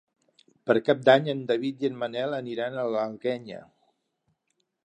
Per Cap d'Any en David i en Manel aniran a l'Alguenya.